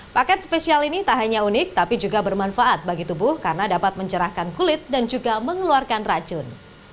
paket spesial ini tak hanya unik tapi juga bermanfaat bagi tubuh karena dapat mencerahkan kulit dan juga mengeluarkan racun